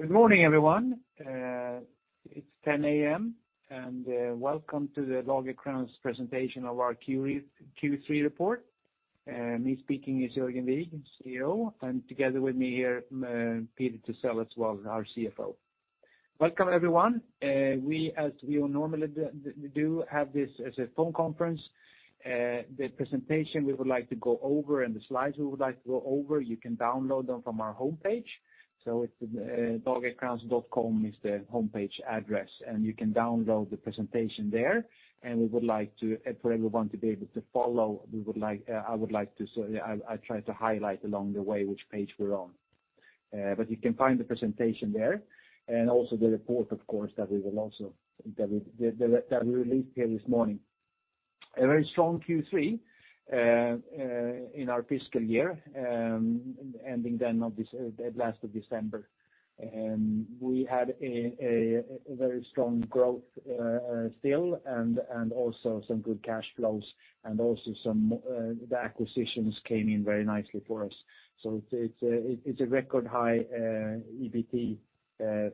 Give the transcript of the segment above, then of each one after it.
Good morning, everyone. It's 10:00 A.M., welcome to the Lagercrantz presentation of our Q3 report. Me speaking is Jörgen Wigh, CEO, together with me here, Peter Thysell as well, our CFO. Welcome everyone. We as we normally do have this as a phone conference. The presentation we would like to go over and the slides we would like to go over, you can download them from our homepage. It's lagercrantz.com is the homepage address, you can download the presentation there. We would like for everyone to be able to follow, we would like, I would like to so I try to highlight along the way which page we're on. You can find the presentation there and also the report, of course, that we released here this morning. A very strong Q3 in our fiscal year, ending the last of December. We had a very strong growth still, also some good cash flows and also some the acquisitions came in very nicely for us. It's a record high EBT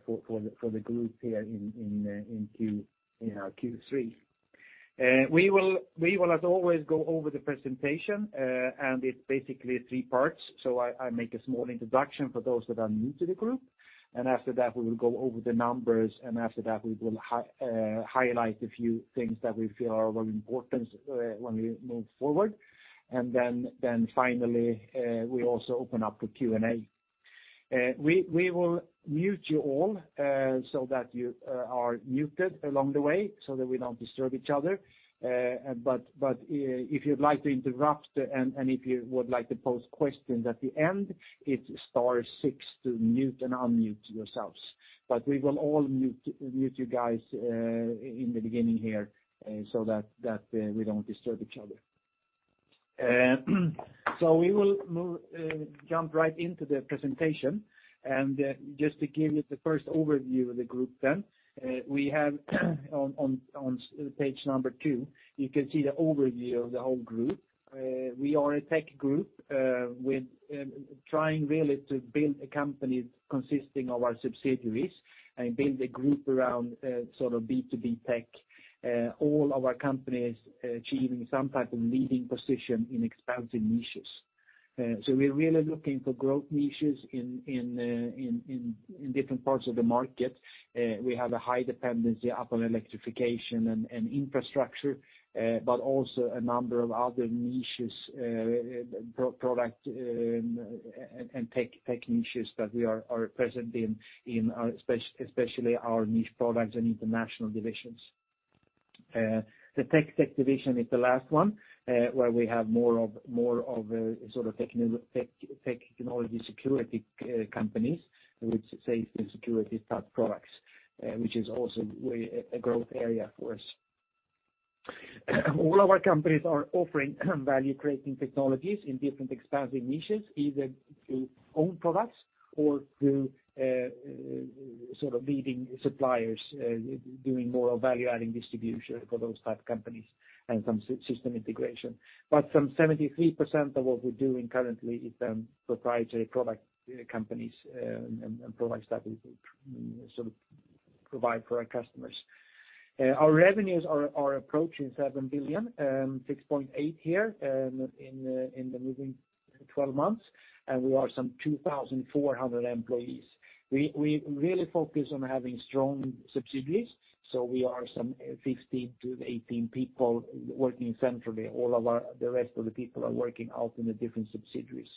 for the group here in Q3. We will as always go over the presentation, and it's basically three parts. I make a small introduction for those that are new to the group. After that, we will go over the numbers, and after that, we will highlight a few things that we feel are of importance when we move forward. Finally, we also open up the Q&A. We will mute you all so that you are muted along the way so that we don't disturb each other. But if you'd like to interrupt and if you would like to pose questions at the end, it's star six to mute and unmute yourselves. We will all mute you guys in the beginning here so that we don't disturb each other. We will jump right into the presentation. Just to give you the first overview of the group, we have on page number two, you can see the overview of the whole group. We are a tech group, with trying really to build a company consisting of our subsidiaries and build a group around sort of B2B tech. All our companies achieving some type of leading position in expanding niches. We're really looking for growth niches in different parts of the market. We have a high dependency upon electrification and infrastructure, but also a number of other niches, product, and tech niches that we are present in our especially our Niche Products and International divisions. The tech sector division is the last one, where we have more of sort of technology security companies, which is safety and security type products, which is also a growth area for us. All our companies are offering value-creating technologies in different expanding niches, either through own products or through sort of leading suppliers, doing more of value-adding distribution for those type companies and some system integration. Some 73% of what we're doing currently is proprietary product companies, and products that we sort of provide for our customers. Our revenues are approaching 7 billion, 6.8 billion here, in the moving 12 months, and we are some 2,400 employees. We really focus on having strong subsidiaries, we are some 15 to 18 people working centrally. The rest of the people are working out in the different subsidiaries.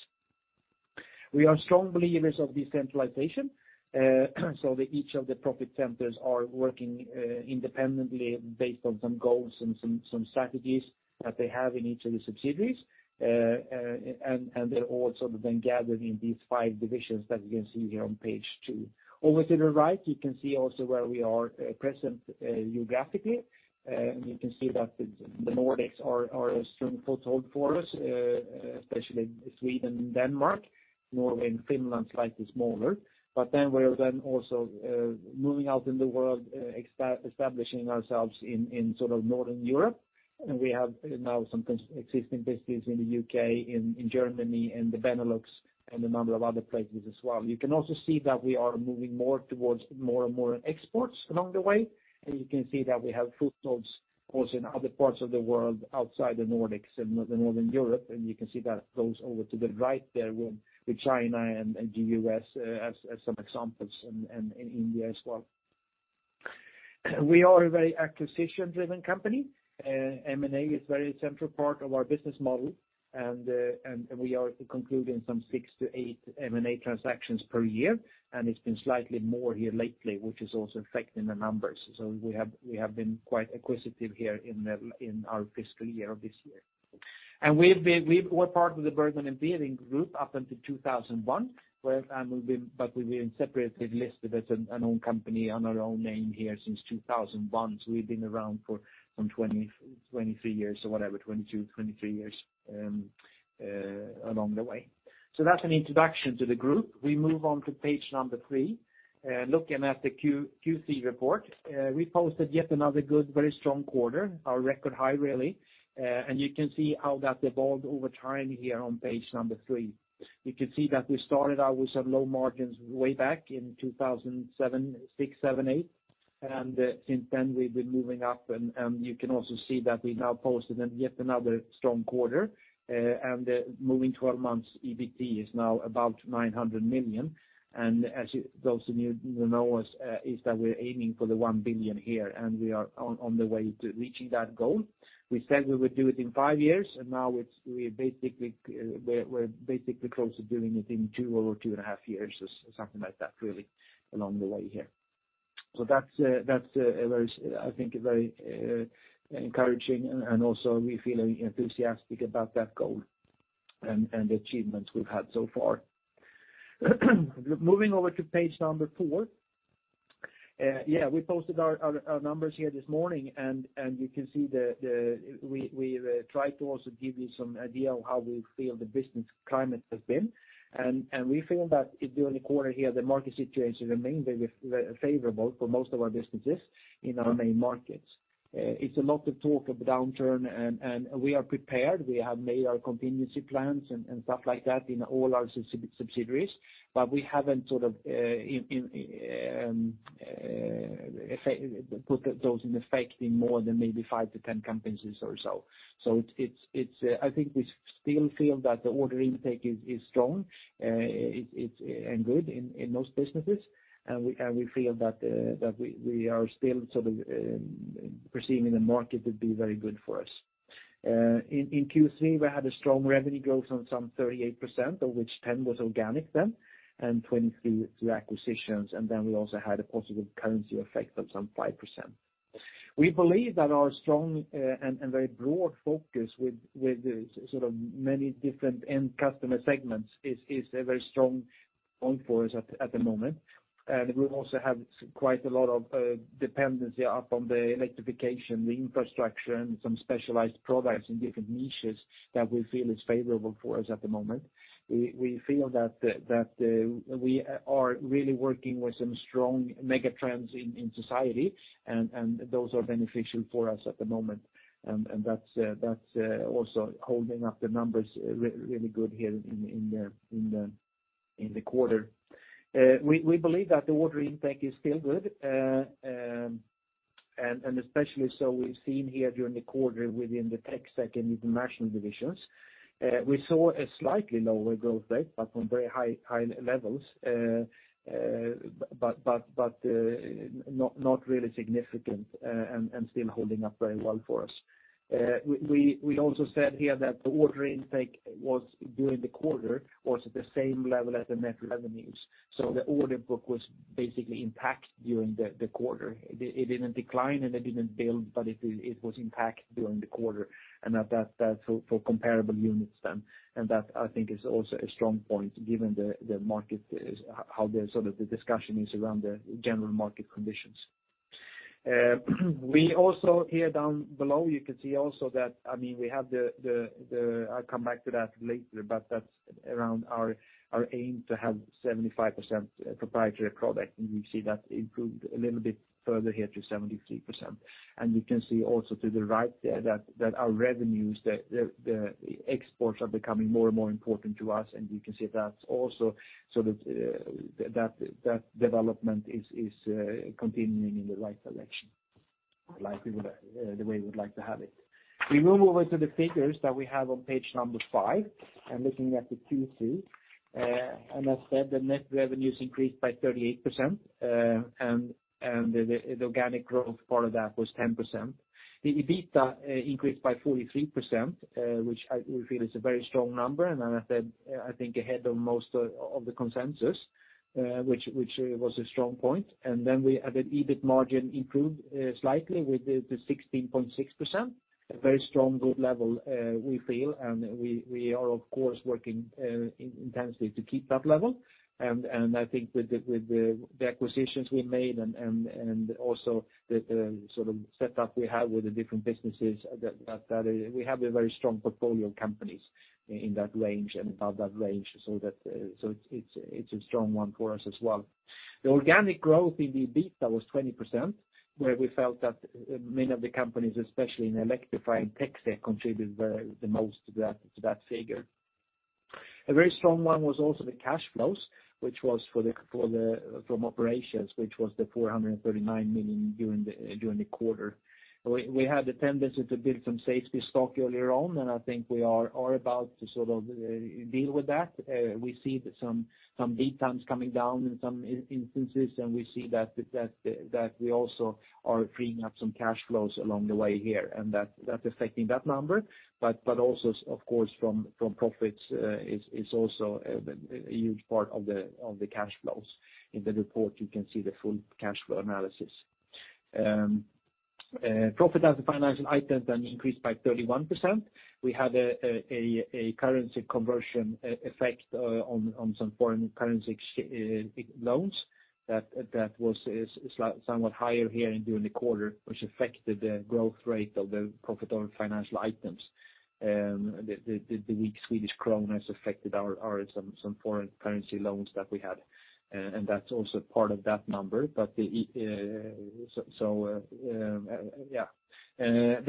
We are strong believers of decentralization. Each of the profit centers are working independently based on some goals and some strategies that they have in each of the subsidiaries. They're all sort of then gathered in these five divisions that you can see here on page two. Over to the right, you can see also where we are present geographically. You can see that the Nordics are a strong foothold for us, especially Sweden and Denmark. Norway and Finland, slightly smaller. We're then also moving out in the world, establishing ourselves in sort of Northern Europe. We have now some existing businesses in the U.K., in Germany and the Benelux, and a number of other places as well. You can also see that we are moving more towards more and more exports along the way. You can see that we have footholds also in other parts of the world outside the Nordics and Northern Europe. You can see that goes over to the right there with China and the U.S. as some examples, and India as well. We are a very acquisition-driven company. M&A is a very central part of our business model. We are concluding some six to eight M&A transactions per year, and it's been slightly more here lately, which is also affecting the numbers. We have been quite acquisitive here in our fiscal year of this year. We were part of the Bergman & Beving group up until 2001, where, we've been separately listed as an own company on our own name here since 2001. We've been around for some 23 years or whatever, 22, 23 years, along the way. That's an introduction to the group. We move on to page number three, looking at the Q3 report. We posted yet another good, very strong quarter, our record high, really. You can see how that evolved over time here on page number three. You can see that we started out with some low margins way back in 2007, 2006, 2007, 2008. Since then we've been moving up and you can also see that we now posted them yet another strong quarter. Moving 12 months, EBT is now about 900 million. As those of you who know us, is that we're aiming for the 1 billion here, and we are on the way to reaching that goal. We said we would do it in five years, now we basically, we're basically close to doing it in two or 2.5 years or something like that, really, along the way here. That's a very, I think, a very encouraging and also we feel enthusiastic about that goal and the achievements we've had so far. Moving over to page number four. Yeah, we posted our numbers here this morning, and you can see we try to also give you some idea of how we feel the business climate has been. We feel that during the quarter here, the market situation remained very favorable for most of our businesses in our main markets. It's a lot of talk of downturn, and we are prepared. We have made our contingency plans and stuff like that in all our subsidiaries, but we haven't sort of, in, put those in effect in more than maybe five to 10 companies or so. It's, I think we still feel that the order intake is strong and good in most businesses. We feel that we are still sort of perceiving the market to be very good for us. In Q3, we had a strong revenue growth on some 38%, of which 10 was organic then, and 23 through acquisitions, and then we also had a positive currency effect of some 5%. We believe that our strong and very broad focus with the sort of many different end customer segments is a very strong point for us at the moment. We also have quite a lot of dependency up on the electrification, the infrastructure, and some specialized products in different niches that we feel is favorable for us at the moment. We feel that we are really working with some strong mega trends in society, and those are beneficial for us at the moment. That's also holding up the numbers really good here in the quarter. We believe that the order intake is still good, and especially so we've seen here during the quarter within the TecSec and International divisions. We saw a slightly lower growth rate, but from very high levels, but not really significant, and still holding up very well for us. We also said here that the order intake was, during the quarter, was at the same level as the net revenues. The order book was basically impacted during the quarter. It didn't decline, and it didn't build, but it was impacted during the quarter. That's for comparable units then. That I think is also a strong point given the market is how the sort of the discussion is around the general market conditions. We also here down below, you can see also that, I mean, we have the, I'll come back to that later, but that's around our aim to have 75% proprietary product, and we see that improved a little bit further here to 73%. You can see also to the right there that our revenues, the exports are becoming more and more important to us, and you can see that's also sort of that development is continuing in the right direction, like we would the way we would like to have it. We move over to the figures that we have on page number five and looking at the Q2. As said, the net revenues increased by 38%, and the organic growth part of that was 10%. The EBITDA increased by 43%, which we feel is a very strong number. As I said, I think ahead of most of the consensus, which was a strong point. We had an EBIT margin improved slightly with 16.6%, a very strong growth level, we feel. We are of course working intensely to keep that level. I think with the acquisitions we made and also the sort of setup we have with the different businesses that we have a very strong portfolio of companies in that range and above that range. That, so it's a strong one for us as well. The organic growth in the EBITDA was 20%, where we felt that many of the companies, especially in Electrify and TecSec, contributed the most to that figure. A very strong one was also the cash flows, which was for the from operations, which was the 439 million during the quarter. We had the tendency to build some safety stock earlier on, and I think we are about to sort of deal with that. We see that some lead times coming down in some in-instances, and we see that we also are freeing up some cash flows along the way here, and that's affecting that number. Also of course from profits is also a huge part of the cash flows. In the report, you can see the full cash flow analysis. Profit after financial items then increased by 31%. We had a currency conversion effect on some foreign currency loans that was somewhat higher here and during the quarter, which affected the growth rate of the profit on financial items. The weak Swedish krona has affected our some foreign currency loans that we had. And that's also part of that number. The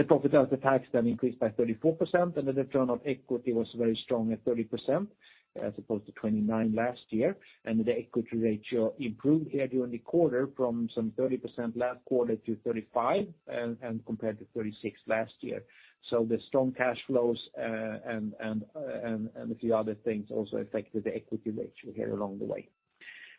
profit after tax then increased by 34%, and the Return on Equity was very strong at 30% as opposed to 29 last year. The equity ratio improved here during the quarter from some 30% last quarter to 35, and compared to 36 last year. The strong cash flows, and a few other things also affected the equity ratio here along the way.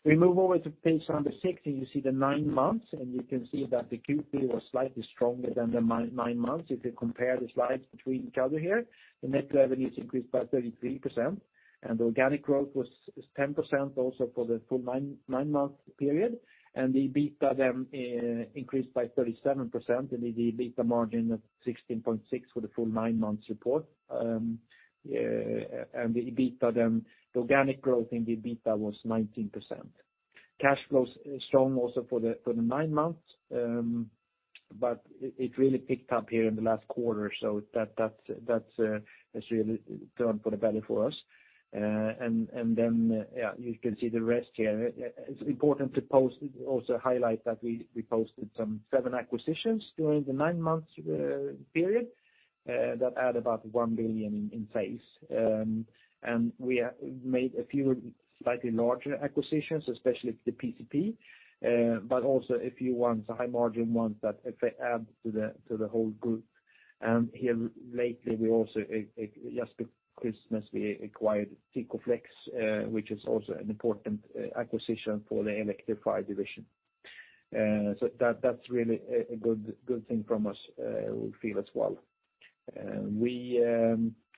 We move over to page number six and you see the nine months, and you can see that the Q3 was slightly stronger than the nine months. If you compare the slides between each other here, the net revenues increased by 33% and organic growth is 10% also for the full 9-month period. The EBITDA then, increased by 37% and the EBITDA margin of 16.6% for the full 9 months report. The EBITDA then, the organic growth in the EBITDA was 19%. Cash flows strong also for the nine months, but it really picked up here in the last quarter so that's really done for the better for us. Yeah, you can see the rest here. It's important to also highlight that we posted some seven acquisitions during the nine months period that add about 1 billion in phase. We have made a few slightly larger acquisitions, especially the PcP, but also a few ones, the high margin ones that if they add to the whole group. Here lately, just before Christmas, we acquired Tykoflex, which is also an important acquisition for the Electrify division. That's really a good thing from us, we feel as well. We,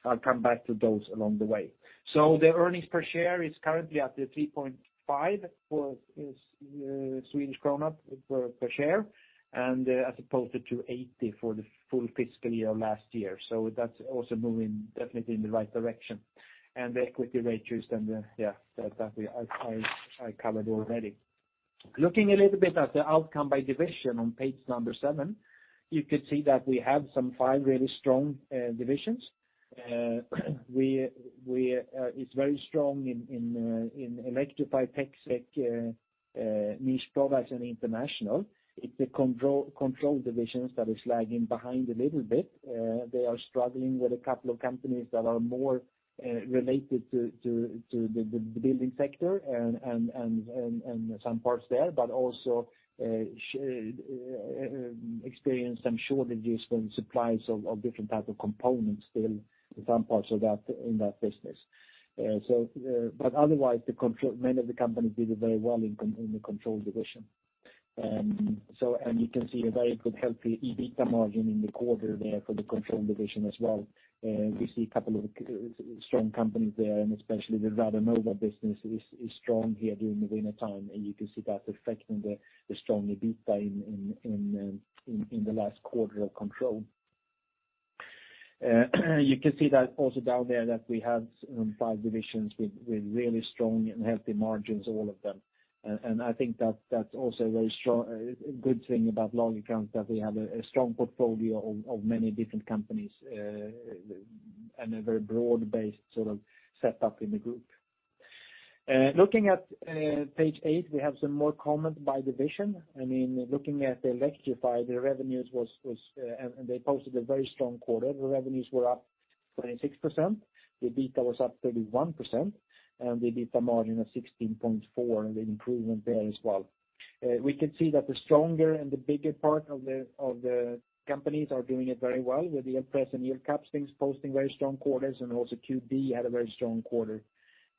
I'll come back to those along the way. The earnings per share is currently at the 3.54 Swedish krona per share, as opposed to 2.80 for the full fiscal year last year. That's also moving definitely in the right direction. The equity ratios and the I covered already. Looking a little bit at the outcome by division on page number seven, you could see that we have some five really strong divisions. We, it's very strong in Electrify, TecSec, Niche Products and International. It's the Control divisions that is lagging behind a little bit. They are struggling with a couple of companies that are more related to the building sector and some parts there, but also experience some shortages from suppliers of different types of components still in some parts of that in that business. But otherwise, the Control, many of the companies did it very well in the Control division. And you can see a very good healthy EBITDA margin in the quarter there for the Control division as well. We see a couple of strong companies there, and especially the Radonova business is strong here during the wintertime, and you can see that affecting the strong EBITDA in the last quarter of Control. You can see that also down there that we have five divisions with really strong and healthy margins, all of them. I think that's also a very strong good thing about Lagercrantz that we have a strong portfolio of many different companies and a very broad-based sort of set up in the group. Looking at page eight, we have some more comment by division. I mean, looking at the Electrify, they posted a very strong quarter. The revenues were up 26%. The EBITDA was up 31%, and the EBITDA margin of 16.4%, an improvement there as well. We can see that the stronger and the bigger part of the, of the companies are doing it very well with the Elpress and Earcaps thing posting very strong quarters and also QB had a very strong quarter.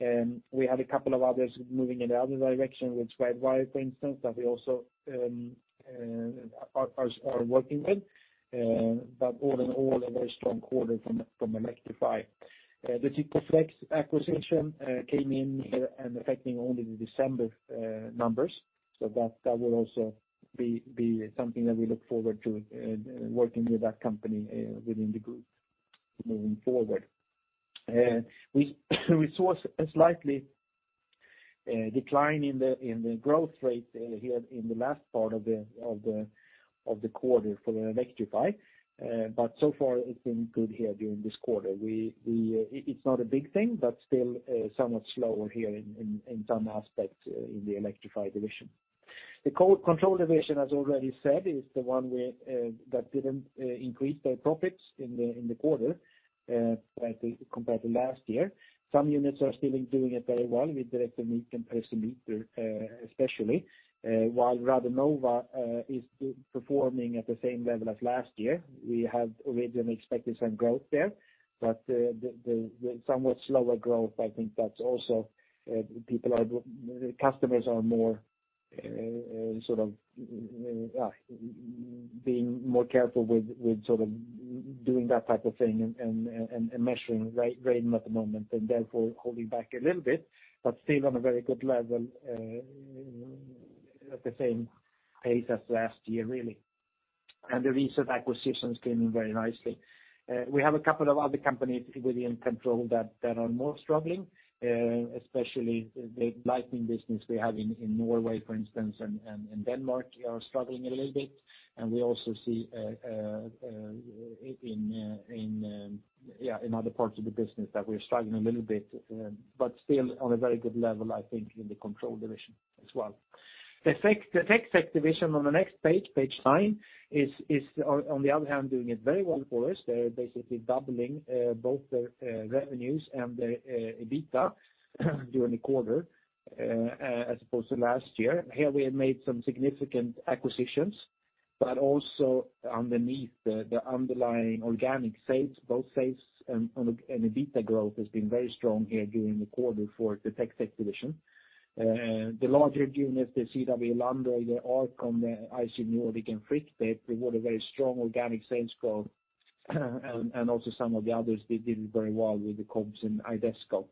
We have a couple of others moving in the other direction, which Wide Wire, for instance, that we also are working with. But all in all, a very strong quarter from Electrify. The Tykoflex acquisition came in here and affecting only the December numbers. That will also be something that we look forward to working with that company within the group moving forward. We saw a slightly decline in the, in the growth rate here in the last part of the, of the, of the quarter for the Electrify. So far it's been good here during this quarter. It's not a big thing, but still somewhat slower here in some aspects in the Electrify division. The Control division, as already said, is the one where that didn't increase their profits in the quarter compared to last year. Some units are still doing it very well with Direktronik and Precimeter especially, while Radonova is performing at the same level as last year. We had originally expected some growth there, but the somewhat slower growth, I think that's also customers are more sort of being more careful with sort of doing that type of thing and measuring right now at the moment, and therefore holding back a little bit, but still on a very good level at the same pace as last year, really. The recent acquisitions came in very nicely. We have a couple of other companies within Control that are more struggling, especially the lighting business we have in Norway, for instance, and in Denmark are struggling a little bit. We also see, yeah, in other parts of the business that we're struggling a little bit, but still on a very good level, I think, in the Control division as well. The TecSec division on the next page nine, is on the other hand, doing it very well for us. They're basically doubling both their revenues and their EBITDA during the quarter as opposed to last year. Here we have made some significant acquisitions. Also underneath the underlying organic sales, both sales and EBITDA growth has been very strong here during the quarter for the TecSec division. The larger units, the CW Lundberg, the Arkon, the ISG Nordic, and Frich, they brought a very strong organic sales growth. Also some of the others, they did very well with the COBS and Idesco.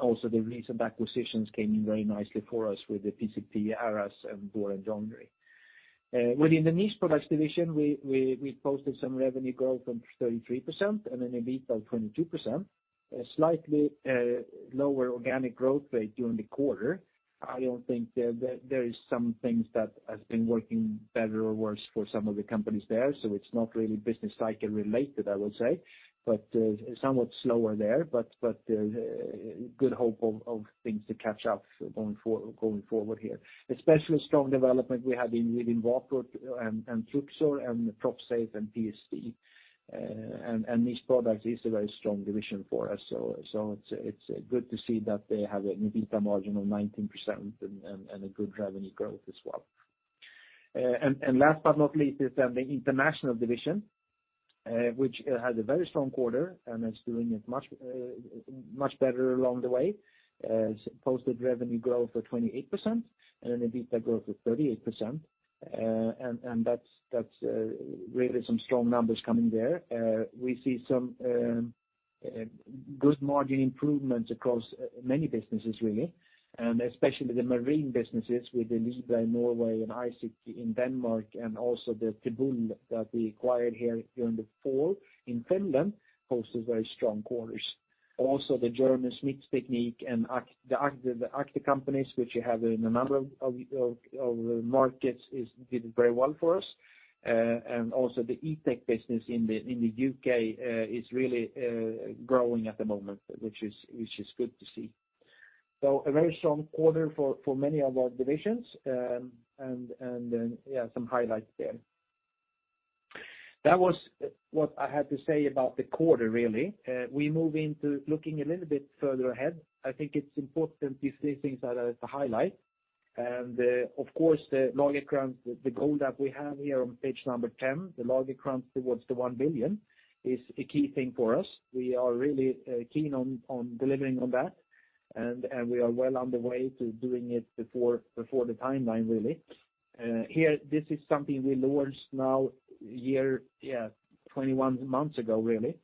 Also the recent acquisitions came in very nicely for us with the PcP, ARAS, and Bjurenwalls AB. Within the Niche Products division, we posted some revenue growth of 33% and an EBITDA of 22%. A slightly lower organic growth rate during the quarter. I don't think that there is some things that has been working better or worse for some of the companies there, so it's not really business cycle related, I will say. Somewhat slower there, but good hope of things to catch up going forward here. Especially strong development we had in within Rockwood and Truxor and Profsafe and PSD. Niche Products is a very strong division for us. It's good to see that they have an EBITDA margin of 19% and a good revenue growth as well. Last but not least is the International division, which had a very strong quarter and is doing it much better along the way. It's posted revenue growth of 28% and an EBITDA growth of 38%. That's really some strong numbers coming there. We see some good margin improvements across many businesses really, and especially the marine businesses with the Libra Norway and ISIC in Denmark and also the Tebul that we acquired here during the fall in Finland, posted very strong quarters. The German Schmitztechnik and ACTE companies, which you have in a number of markets, did very well for us. Also the E-Tech business in the U.K., is really growing at the moment, which is good to see. A very strong quarter for many of our divisions, and some highlights there. That was what I had to say about the quarter, really. We move into looking a little bit further ahead. I think it's important these three things are to highlight. Of course, the Lagercrantz, the goal that we have here on page number 10, the Lagercrantz towards the 1 billion, is a key thing for us. We are really keen on delivering on that, and we are well on the way to doing it before the timeline, really. Here, this is something we launched now a year, yeah, 21 months ago, really,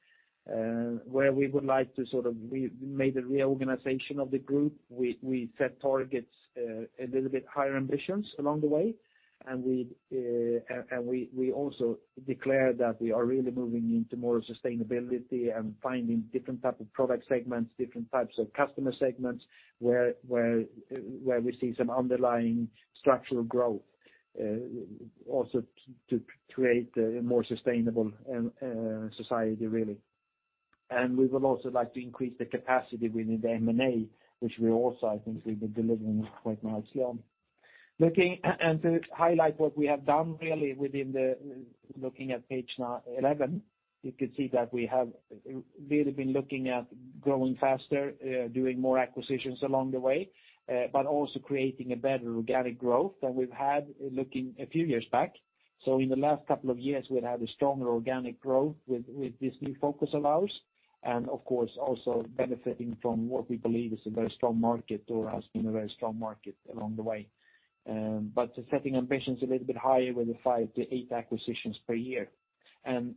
where we would like to sort of made a reorganization of the group. We set targets, a little bit higher ambitions along the way, and we also declare that we are really moving into more sustainability and finding different type of product segments, different types of customer segments, where we see some underlying structural growth, also to create a more sustainable society, really. We would also like to increase the capacity within the M&A, which we also, I think we've been delivering quite nicely on. And to highlight what we have done really looking at page 11, you can see that we have really been looking at growing faster, doing more acquisitions along the way, but also creating a better organic growth than we've had looking a few years back. In the last couple of years, we've had a stronger organic growth with this new focus allows, and of course, also benefiting from what we believe is a very strong market or has been a very strong market along the way. Setting ambitions a little bit higher with the five to eight acquisitions per year, and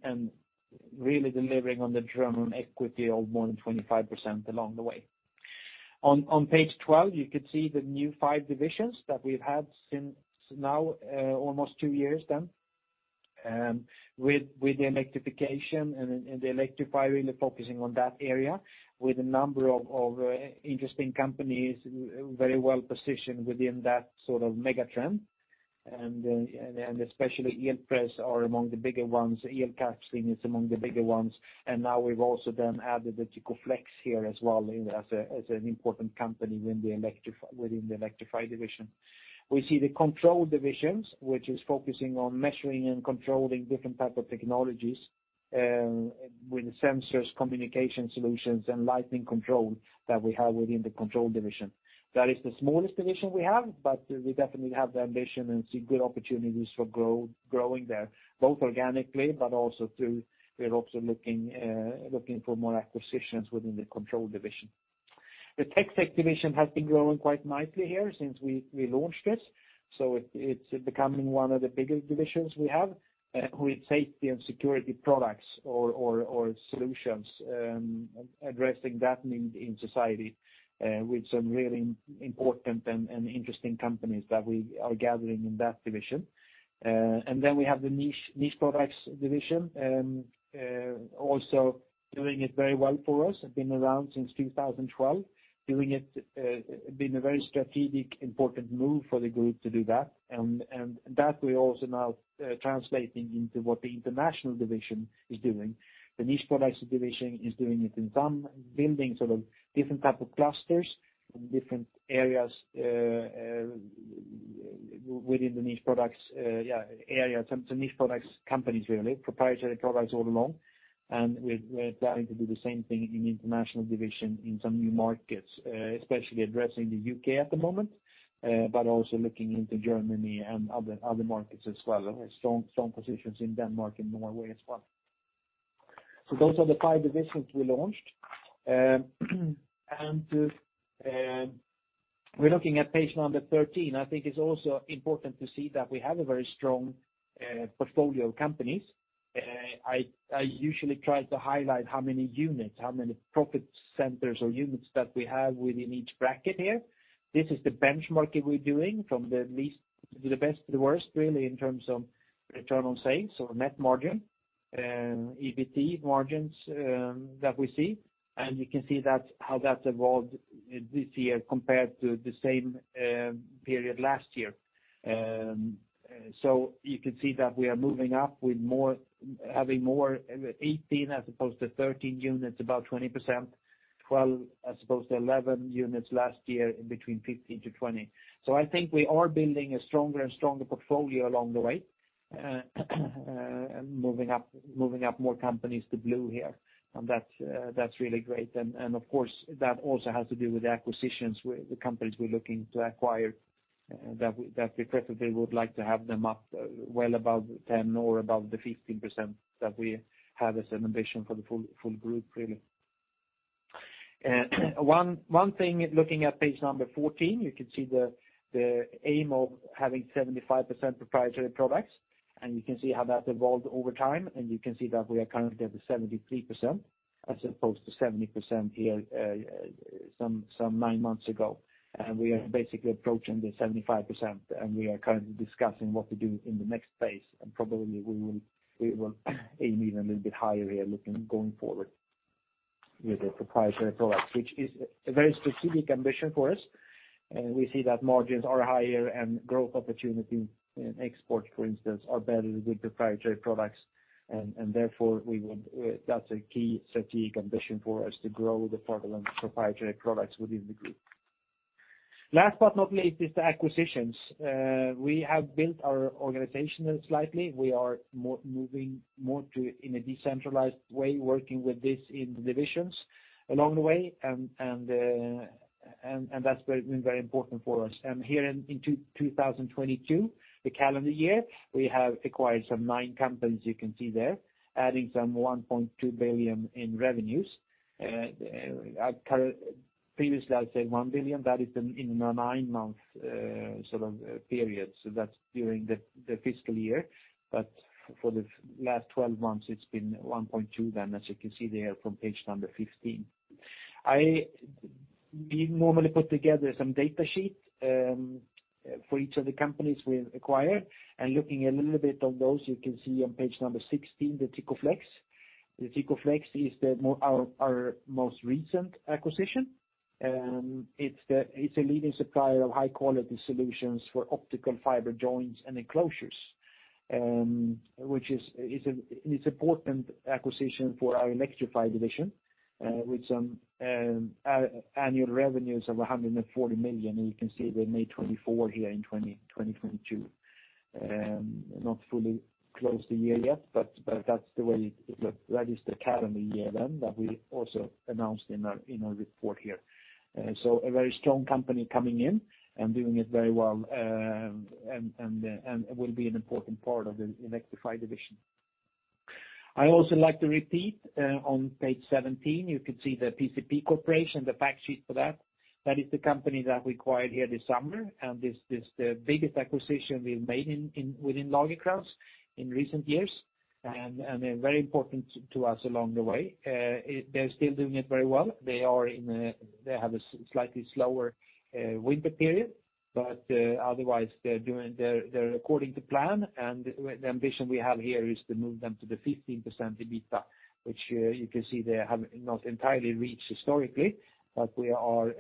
really delivering on the Return on Equity of more than 25% along the way. On page 12, you could see the new five divisions that we've had since now, almost two years then, with the electrification and the Electrify really focusing on that area with a number of interesting companies very well positioned within that sort of mega trend. especially Elpress are among the bigger ones. Elkapsling is among the bigger ones. Now we've also then added the Tykoflex here as well as an important company within the Electrify division. We see the Control divisions, which is focusing on measuring and controlling different type of technologies, with sensors, communication solutions, and lighting control that we have within the Control division. That is the smallest division we have, but we definitely have the ambition and see good opportunities for growing there, both organically, but also through we're also looking for more acquisitions within the Control division. The TecSec division has been growing quite nicely here since we launched this, so it's becoming one of the bigger divisions we have with safety and security products or solutions addressing that need in society with some really important and interesting companies that we are gathering in that division. We have the Niche Products division also doing it very well for us, have been around since 2012. Doing it been a very strategic important move for the group to do that. That we're also now translating into what the International division is doing. The Niche Products division is doing it in some building sort of different type of clusters from different areas within the Niche Products area, some Niche Products companies really, proprietary products all along. We're planning to do the same thing in International division in some new markets, especially addressing the U.K. at the moment, but also looking into Germany and other markets as well. We have strong positions in Denmark and Norway as well. Those are the five divisions we launched. We're looking at page number 13. I think it's also important to see that we have a very strong portfolio of companies. I usually try to highlight how many units, how many profit centers or units that we have within each bracket here. This is the benchmarking we're doing from the least to the best to the worst, really, in terms of return on sales or net margin, EBT margins that we see. You can see that's how that's evolved this year compared to the same period last year. You can see that we are moving up with more having more 18 as opposed to 13 units, about 20%, 12 as opposed to 11 units last year in between 15-20. I think we are building a stronger and stronger portfolio along the way, moving up more companies to blue here. That's really great. Of course, that also has to do with the acquisitions with the companies we're looking to acquire, that we preferably would like to have them up well above 10 or above the 15% that we have as an ambition for the full group, really. One thing, looking at page number 14, you can see the aim of having 75% proprietary products, and you can see how that's evolved over time, and you can see that we are currently at the 73% as opposed to 70% here, some nine months ago. We are basically approaching the 75%, and we are currently discussing what to do in the next phase. Probably we will aim even a little bit higher here looking going forward with the proprietary products, which is a very specific ambition for us. We see that margins are higher and growth opportunity in export, for instance, are better with proprietary products. Therefore we would, that's a key strategic ambition for us to grow the portfolio of proprietary products within the group. Last but not least is the acquisitions. We have built our organization slightly. We are moving more to in a decentralized way, working with this in the divisions along the way. That's very been very important for us. Here in 2022, the calendar year, we have acquired some nine companies you can see there, adding some 1.2 billion in revenues. At current previously, I said 1 billion, that is in a nine-month sort of period, so that's during the fiscal year. For the last 12 months, it's been 1.2 billion then, as you can see there from page number 15. We normally put together some data sheet for each of the companies we acquire. Looking a little bit on those, you can see on page number 16, the Tykoflex. The Tykoflex is our most recent acquisition. It's a leading supplier of high-quality solutions for optical fiber joints and enclosures, which is a, it's important acquisition for our Electrify division, with some annual revenues of 140 million. You can see they made 24 million here in 2022. not fully closed the year yet, but that's the way it look. That is the calendar year then that we also announced in our, in our report here. A very strong company coming in and doing it very well, and will be an important part of the Electrify division. I also like to repeat, on page 17, you could see the PcP Corporation, the fact sheet for that. That is the company that we acquired here this summer. This is the biggest acquisition we've made in within Lagercrantz in recent years, they're very important to us along the way. They're still doing it very well. They have a slightly slower winter period, otherwise, they're according to plan. The ambition we have here is to move them to the 15% EBITA, which, you can see they have not entirely reached historically, but we are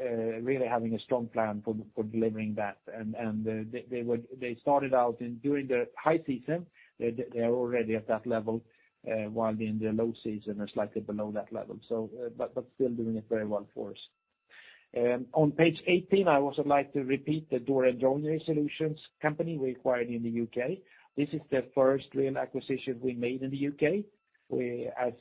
really having a strong plan for delivering that. They started out in during the high season, they're already at that level, while in the low season, they're slightly below that level. But still doing it very well for us. On page 18, I also like to repeat the Door & Joinery Solutions company we acquired in the U.K. This is the first lean acquisition we made in the U.K. We as,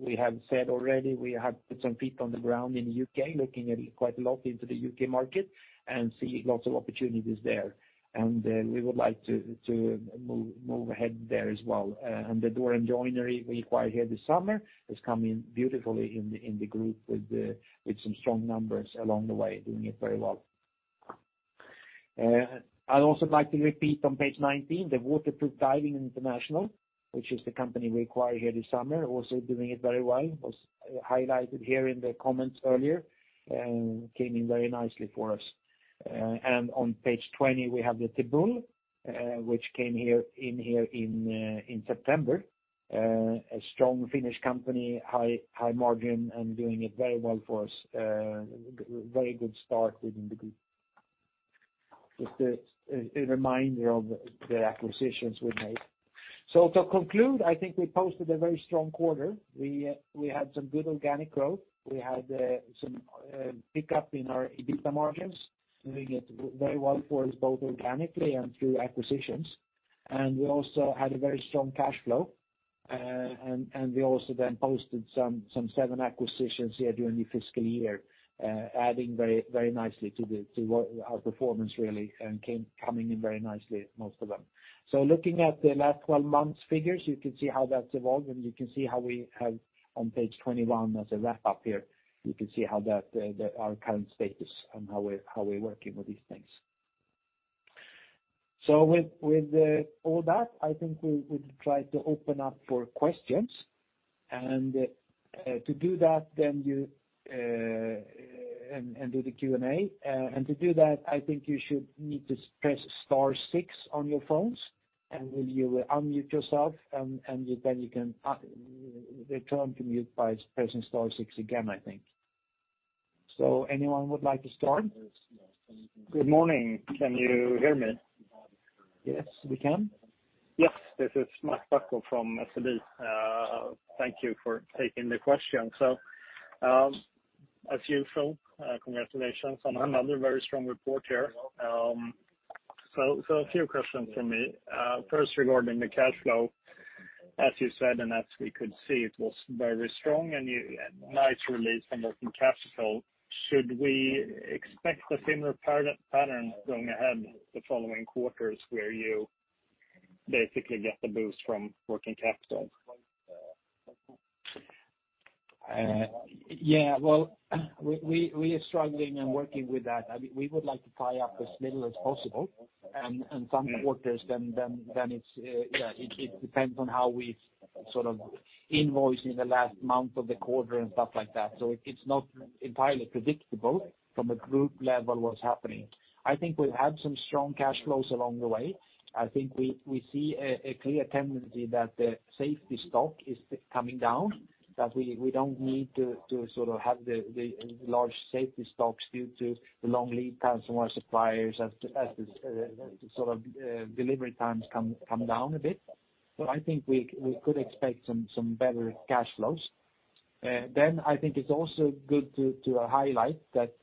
we have said already, we have put some feet on the ground in the U.K., looking at quite a lot into the U.K. market and see lots of opportunities there. We would like to move ahead there as well. The Door & Joinery we acquired here this summer is coming beautifully in the group with some strong numbers along the way, doing it very well. I'd also like to repeat on page 19, the Waterproof Diving International, which is the company we acquired here this summer, also doing it very well. Was highlighted here in the comments earlier and came in very nicely for us. On page 20, we have the Tebul, which came here in September. A strong Finnish company, high margin, and doing it very well for us. Very good start within the group. Just a reminder of the acquisitions we've made. To conclude, I think I posted a very strong quarter. We had some good organic growth. We had some pickup in our EBITA margins doing it very well for us, both organically and through acquisitions. We also had a very strong cash flow. We also then posted some 7 acquisitions here during the fiscal year, adding very, very nicely to the, to what our performance really and coming in very nicely, most of them. Looking at the last 12 months figures, you can see how that's evolved, and you can see how we have on page 21 as a wrap up here, you can see how that our current status and how we're, how we're working with these things. With all that, I think we'll try to open up for questions. To do that then you, and do the Q&A. To do that, I think you should need to press star six on your phones, and will you unmute yourself, and then you can return to mute by pressing star six again, I think. Anyone would like to start? Good morning. Can you hear me? Yes, we can. Yes. This is Max Bacco from SEB. Thank you for taking the question. As usual, congratulations on another very strong report here. A few questions from me. First regarding the cash flow, as you said, and as we could see, it was very strong, and a nice release from working capital. Should we expect a similar pattern going ahead the following quarters where you basically get the boost from working capital? Yeah. Well, we are struggling and working with that. I mean, we would like to tie up as little as possible. Some quarters then it's, yeah, it depends on how we sort of invoice in the last month of the quarter and stuff like that. It's not entirely predictable from a group level what's happening. I think we've had some strong cash flows along the way. I think we see a clear tendency that the safety stock is coming down, that we don't need to sort of have the large safety stocks due to the long lead times from our suppliers as the sort of delivery times come down a bit. I think we could expect some better cash flows. I think it's also good to highlight that,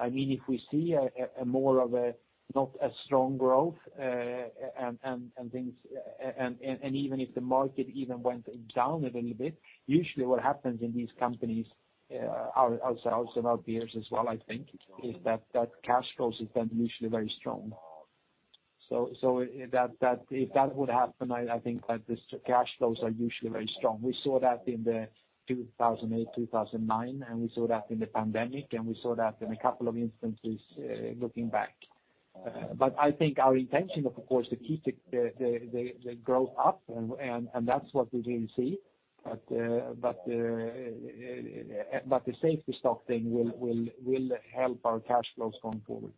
I mean, if we see a more of a not as strong growth, and things, and even if the market even went down a little bit, usually what happens in these companies, ourselves and our peers as well, I think, is that cash flows is then usually very strong. That, if that would happen, I think that this cash flows are usually very strong. We saw that in the 2008, 2009, and we saw that in the pandemic, and we saw that in a couple of instances, looking back. I think our intention of course to keep the growth up and that's what we will see. The safety stock thing will help our cash flows going forward.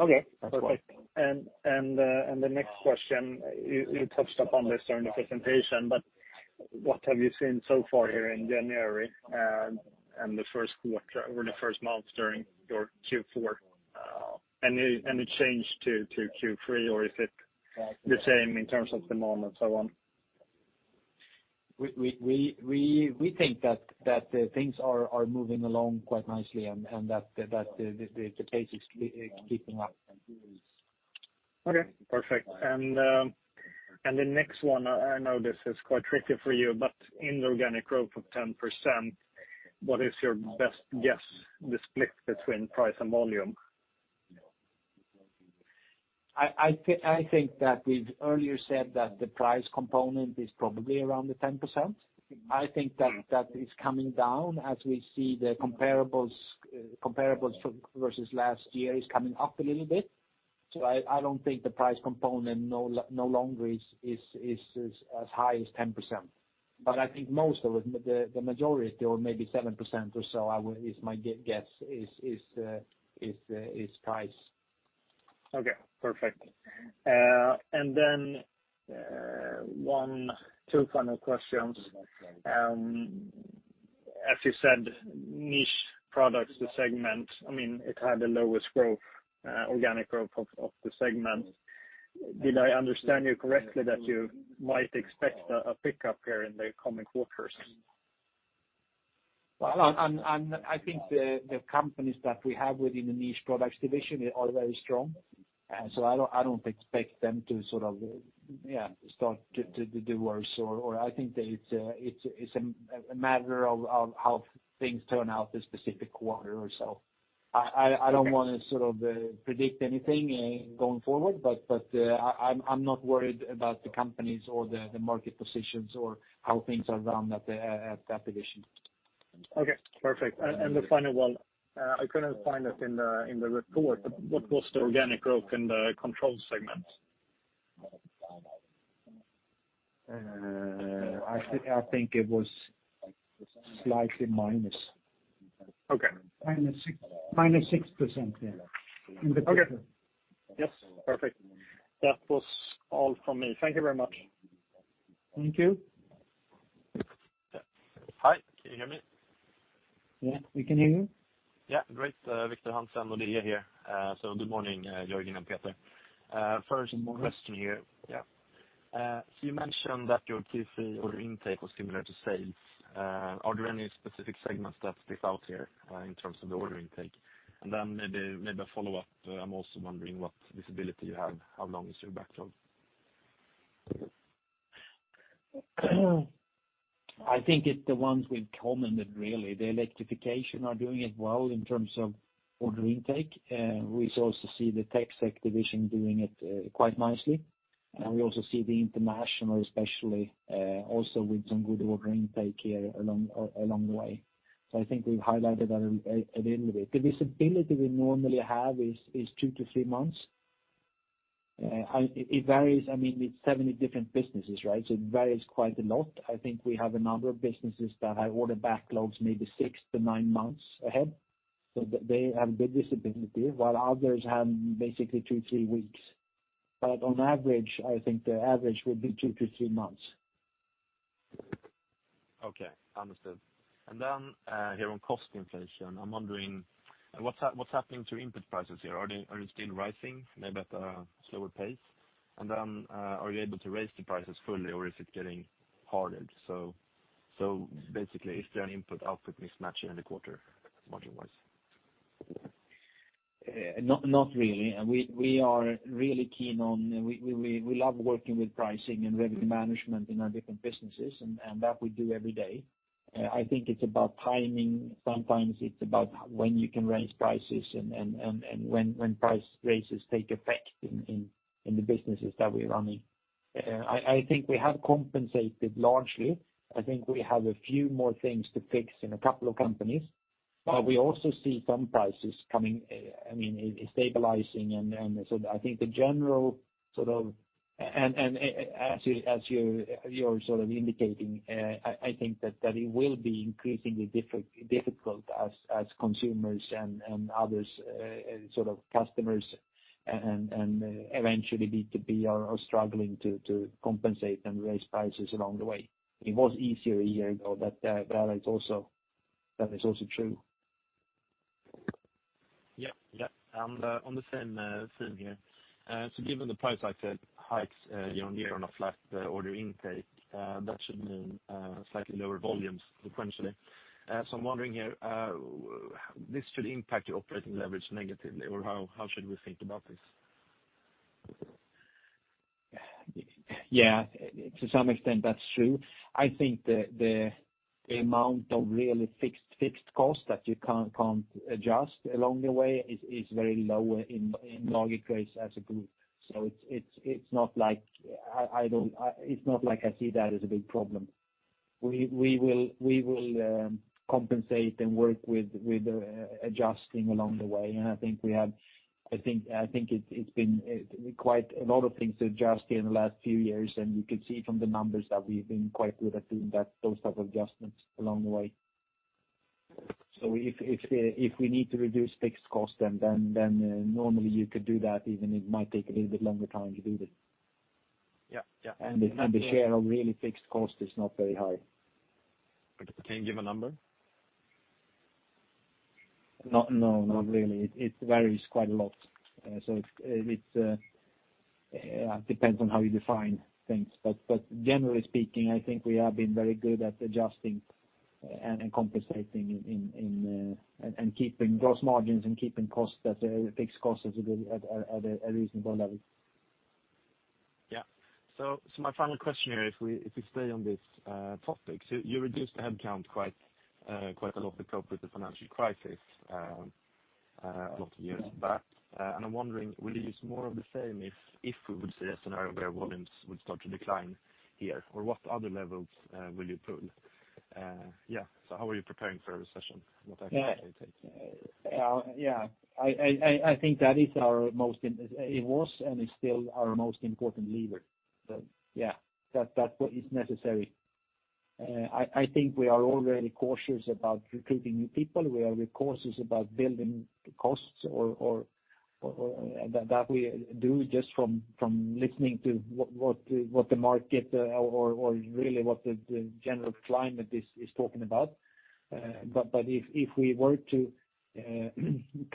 Okay. That's right. Perfect. The next question, you touched upon this during the presentation, but what have you seen so far here in January, and the first quarter or the first month during your Q4? Any change to Q3, or is it the same in terms of the moment and so on? We think that things are moving along quite nicely, and that the pace is keeping up. Okay, perfect. The next one, I know this is quite tricky for you, but in the organic growth of 10%, what is your best guess, the split between price and volume? I think that we've earlier said that the price component is probably around the 10%. I think that that is coming down as we see the comparables from versus last year is coming up a little bit. I don't think the price component no longer is as high as 10%. I think most of it, the majority or maybe 7% or so I would is my guess is price. Okay, perfect. Then, one, two final questions. As you said, Niche Products, the segment, I mean, it had the lowest growth, organic growth of the segment. Did I understand you correctly that you might expect a pickup here in the coming quarters? I think the companies that we have within the Niche Products division are very strong. I don't expect them to sort of start to do worse, or I think that it's a matter of how things turn out this specific quarter or so. I don't want to sort of predict anything going forward, I'm not worried about the companies or the market positions or how things are run at that division. Okay, perfect. The final one, I couldn't find it in the report, but what was the organic growth in the Control segment? I think it was slightly minus. Okay. -6, -6%, yeah. Okay. Yes. Perfect. That was all from me. Thank you very much. Thank you. Hi, can you hear me? Yeah, we can hear you. Yeah. Great. Victor Hansen, Nordea here. Good morning, Jörgen and Peter. First question here. Good morning. Yeah. You mentioned that your Q3 order intake was similar to sales. Are there any specific segments that sticks out here, in terms of the order intake? Maybe a follow-up, I'm also wondering what visibility you have, how long is your backlogs? I think it's the ones we've commented really. The Electrify are doing it well in terms of order intake. We also see the TecSec division doing it quite nicely. We also see the International, especially, also with some good order intake here along the way. I think we've highlighted that a little bit. The visibility we normally have is two to three months. It varies. I mean, it's 70 different businesses, right? It varies quite a lot. I think we have a number of businesses that have order backlogs maybe six to nine months ahead, so they have good visibility, while others have basically two to three weeks. On average, I think the average would be two to three months. Okay, understood. Here on cost inflation, I'm wondering what's happening to input prices here? Are they still rising, maybe at a slower pace? Are you able to raise the prices fully or is it getting harder? Basically is there an input-output mismatch in the quarter margin-wise? Not really. We are really keen on... We love working with pricing and revenue management in our different businesses, and that we do every day. I think it's about timing. Sometimes it's about when you can raise prices and when price raises take effect in the businesses that we're running. I think we have compensated largely. I think we have a few more things to fix in a couple of companies. We also see some prices coming, I mean, stabilizing. I think the general sort of... As you're sort of indicating, I think that it will be increasingly difficult as consumers and others, sort of customers and eventually B2B are struggling to compensate and raise prices along the way. It was easier a year ago, but that is also true. Yeah. Yeah. On the same theme here, given the price hikes year-over-year on a flat order intake, that should mean slightly lower volumes sequentially. I'm wondering here, this should impact your operating leverage negatively, or how should we think about this? Yeah, to some extent that's true. I think the amount of really fixed costs that you can't adjust along the way is very low in Lagercrantz as a group. It's not like I see that as a big problem. We will compensate and work with adjusting along the way. I think we have I think it's been quite a lot of things to adjust here in the last few years. You could see from the numbers that we've been quite good at doing that, those type of adjustments along the way. If we need to reduce fixed cost, then normally you could do that, even it might take a little bit longer time to do that. Yeah. Yeah. The share of really fixed cost is not very high. Can you give a number? Not really. It varies quite a lot. It depends on how you define things. Generally speaking, I think we have been very good at adjusting and compensating in and keeping gross margins and keeping costs at a fixed costs at a reasonable level. Yeah. My final question here, if we stay on this topic. You reduced the headcount quite a lot to cope with the financial crisis, a lot of years back. I'm wondering, will you use more of the same if we would see a scenario where volumes would start to decline here? What other levels will you pull? Yeah. How are you preparing for a recession? What action will you take? Yeah. I, I think that is our most it was and is still our most important lever. Yeah, that's what is necessary. I think we are all very cautious about recruiting new people. We are cautious about building costs or, or that we do just from listening to what, what the market or, or really what the general climate is talking about. But if we were to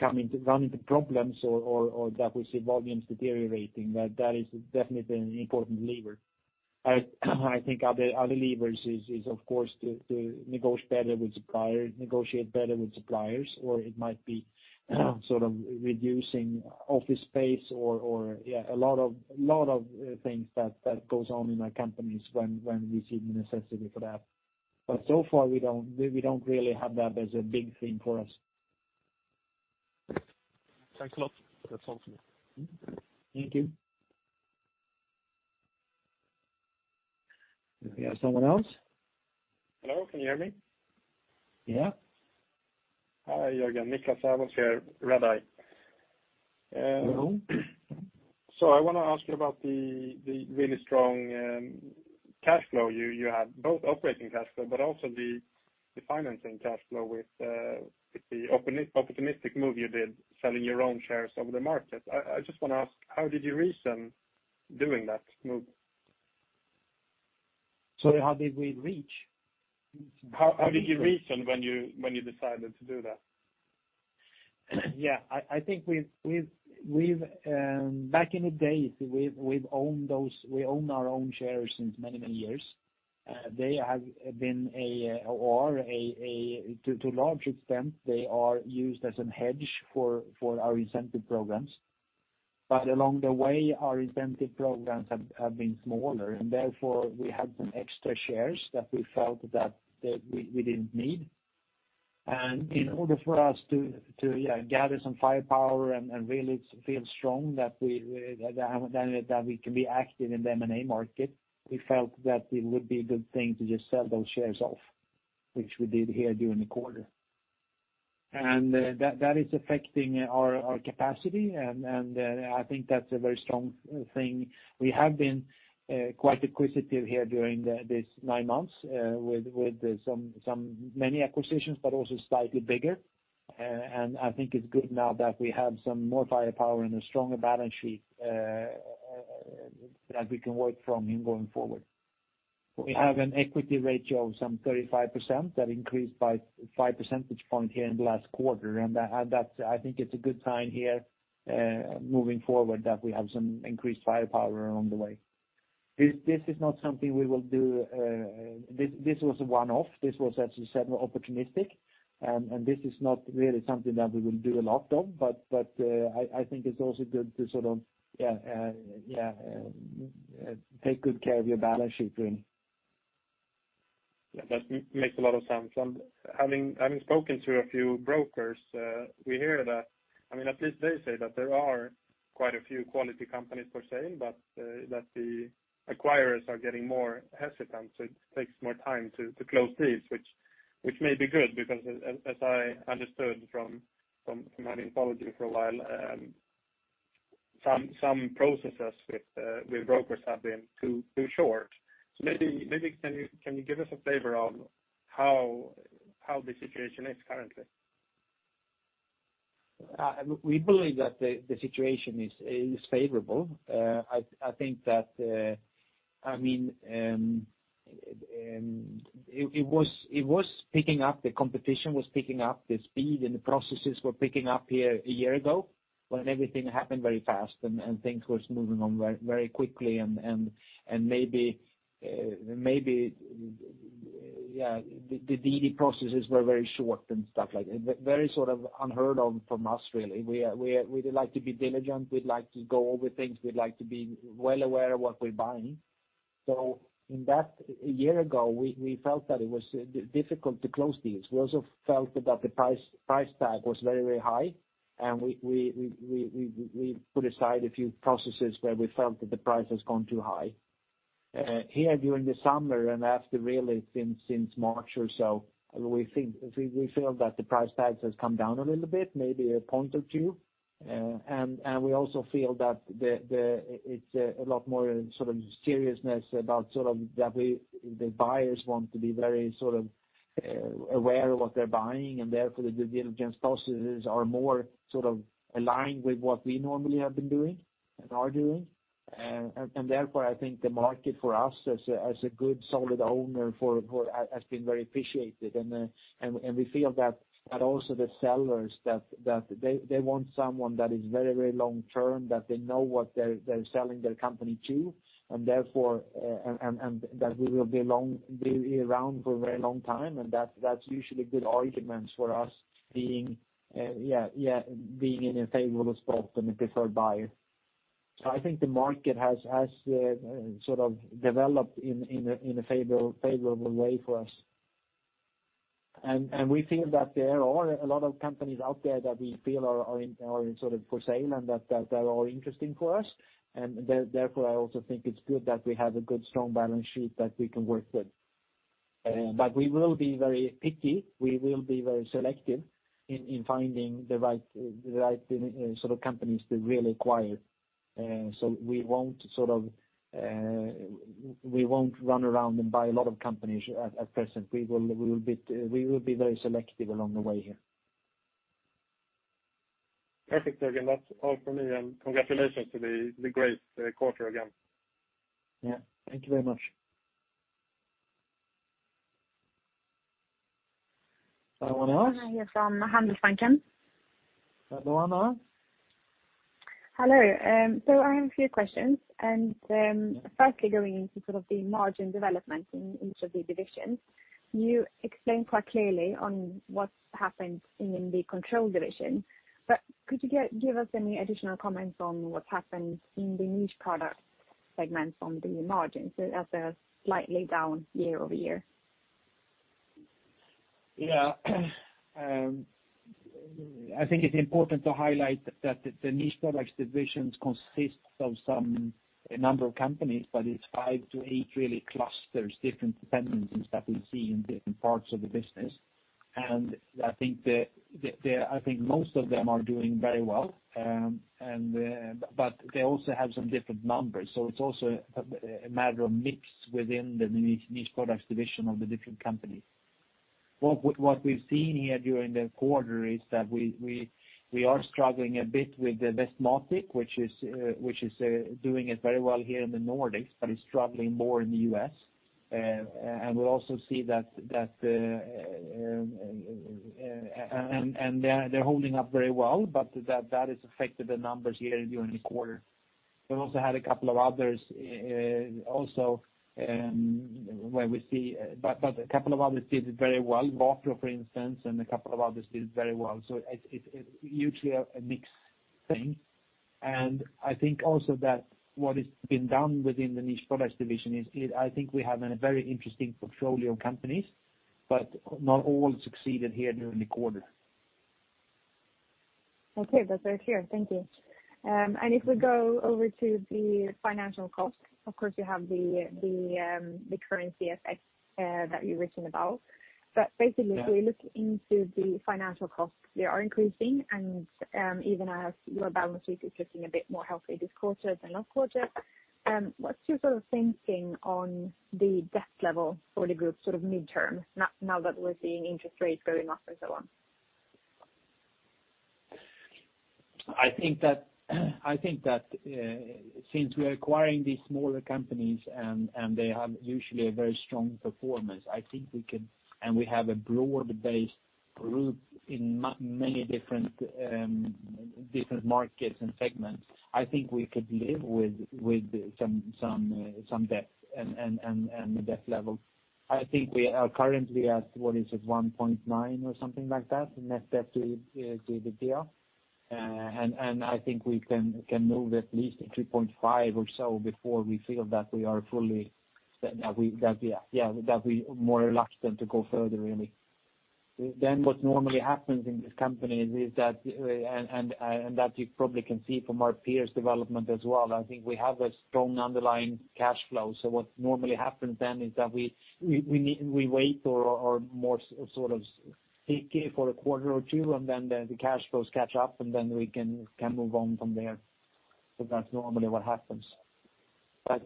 run into problems or, or that we see volumes deteriorating, that is definitely an important lever. I think other levers is of course to negotiate better with suppliers, negotiate better with suppliers, or it might be sort of reducing office space or, yeah, a lot of things that goes on in our companies when we see the necessity for that. So far we don't really have that as a big thing for us. Thanks a lot. That's all for me. Thank you. Do we have someone else? Hello, can you hear me? Yeah. Hi, Jörgen. Niklas Sävås here, Redeye. Hello. I want to ask you about the really strong cash flow you had, both operating cash flow, but also the financing cash flow with the optimistic move you did selling your own shares over the market. I just want to ask, how did you reason doing that move? Sorry, how did we reach? How did you reason when you, when you decided to do that? Yeah. I think we've back in the days, we've owned those we own our own shares since many years. To a large extent, they are used as a hedge for our incentive programs. Along the way, our incentive programs have been smaller, and therefore, we have some extra shares that we felt that we didn't need. In order for us to, yeah, gather some firepower and really feel strong that we can be active in the M&A market, we felt that it would be a good thing to just sell those shares off, which we did here during the quarter. That is affecting our capacity, and I think that's a very strong thing. We have been quite acquisitive here during these 9 months, with many acquisitions, but also slightly bigger. I think it's good now that we have some more firepower and a stronger balance sheet that we can work from in going forward. We have an equity ratio of some 35% that increased by 5 percentage point here in the last quarter. That's I think it's a good sign here, moving forward that we have some increased firepower along the way. This is not something we will do. This was a one-off. This was, as you said, more opportunistic. This is not really something that we will do a lot of, but, I think it's also good to sort of, yeah, take good care of your balance sheet really. Yeah, that makes a lot of sense. Having spoken to a few brokers, we hear that I mean, at least they say that there are quite a few quality companies for sale, but that the acquirers are getting more hesitant, so it takes more time to close deals, which may be good because as I understood from my anthology for a while, some processes with brokers have been too short. Maybe can you give us a favor on how the situation is currently? We believe that the situation is favorable. I think that, I mean, it was picking up, the competition was picking up, the speed and the processes were picking up here a year ago, when everything happened very fast and things was moving on very quickly and maybe, yeah, the DD processes were very short and stuff like... Very sort of unheard of from us, really. We'd like to be diligent, we'd like to go over things, we'd like to be well aware of what we're buying. So in that, a year ago, we felt that it was difficult to close deals. We also felt that the price tag was very, very high. We put aside a few processes where we felt that the price has gone too high. Here during the summer, after really since March or so, we feel that the price tags has come down a little bit, maybe a point or two. We also feel that It's a lot more sort of seriousness about sort of that we, the buyers want to be very sort of aware of what they're buying, and therefore, the due diligence processes are more sort of aligned with what we normally have been doing and are doing. Therefore, I think the market for us as a good solid owner Has been very appreciated. We feel that also the sellers, that they want someone that is very long-term, that they know what they're selling their company to, and therefore, that we will be around for a very long time, and that's usually good arguments for us being in a favorable spot and a preferred buyer. I think the market has sort of developed in a favorable way for us. We feel that there are a lot of companies out there that we feel are in sort of for sale and that are all interesting for us. Therefore, I also think it's good that we have a good, strong balance sheet that we can work with. We will be very picky. We will be very selective in finding the right, the right sort of companies to really acquire. We won't sort of. We won't run around and buy a lot of companies at present. We will be very selective along the way here. Perfect, Jörgen. That's all for me, and congratulations to the great quarter again. Yeah. Thank you very much. Anyone else? Yes, on Handelsbanken. Luana? Hello. I have a few questions. Firstly, going into sort of the margin development in each of the divisions, you explained quite clearly on what happened in the Control division. Could you give us any additional comments on what happened in the Niche Products segment on the margins as they're slightly down year-over-year? Yeah. I think it's important to highlight that the Niche Products division consists of a number of companies, but it's five to eight really clusters, different dependencies that we see in different parts of the business. I think most of them are doing very well. But they also have some different numbers. It's also a matter of mix within the Niche Products division of the different companies. What we've seen here during the quarter is that we are struggling a bit with Westmatic, which is doing it very well here in the Nordics, but is struggling more in the U.S. We also see that, and they're holding up very well, but that has affected the numbers here during the quarter. We've also had a couple of others, also, a couple of others did very well. Wapro, for instance, and a couple of others did very well. It's usually a mixed thing. I think also that what has been done within the Niche Products division is I think we have a very interesting portfolio of companies, but not all succeeded here during the quarter. Okay. That's very clear. Thank you. If we go over to the financial cost, of course you have the currency effect, that you've written about. Yeah. Basically, if we look into the financial costs, they are increasing, and, even as your balance sheet is looking a bit more healthy this quarter than last quarter, what's your sort of thinking on the debt level for the group sort of midterm, now that we're seeing interest rates going up and so on? I think that, since we are acquiring these smaller companies and they have usually a very strong performance, I think we can. We have a broad-based group in many different markets and segments. I think we could live with some debt and debt level. I think we are currently at, what is it, 1.9 or something like that, the net debt to EBITDA. I think we can move at least to 3.5 or so before we feel that we are fully, that we, that, yeah, that we are more reluctant to go further really. What normally happens in this company is that, and that you probably can see from our peers' development as well, I think we have a strong underlying cash flow. What normally happens then is that we wait or more sort of peaky for a quarter or two, and then the cash flows catch up, and then we can move on from there. That's normally what happens.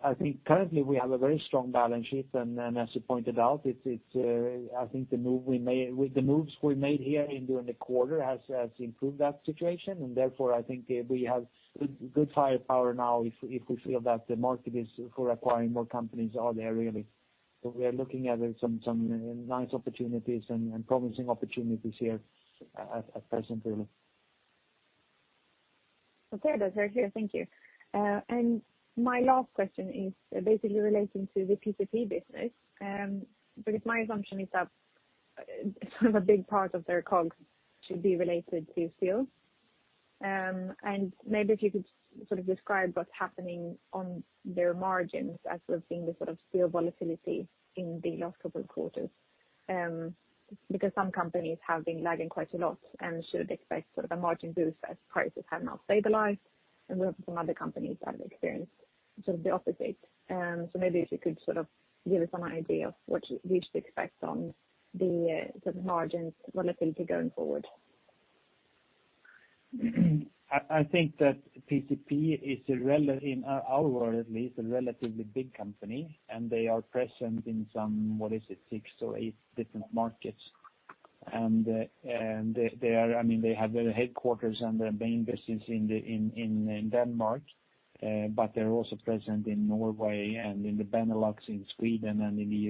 I think currently we have a very strong balance sheet. As you pointed out, it's, I think with the moves we made here during the quarter has improved that situation. I think we have good firepower now if we feel that the market is for acquiring more companies are there really. We are looking at some nice opportunities and promising opportunities here at present really. Okay. That's very clear. Thank you. My last question is basically relating to the PcP business, because my assumption is that sort of a big part of their costs should be related to steel. Maybe if you could sort of describe what's happening on their margins as we've seen the sort of steel volatility in the last couple of quarters. Because some companies have been lagging quite a lot and should expect sort of a margin boost as prices have now stabilized, and we have some other companies that have experienced sort of the opposite. So maybe if you could sort of give us an idea of what we should expect on the sort of margins volatility going forward. I think that PCP is in our world at least, a relatively big company, and they are present in some, what is it, six or eight different markets. I mean, they have their headquarters and their main business in Denmark, but they're also present in Norway and in the Benelux, in Sweden and in the